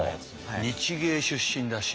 日藝出身らしい。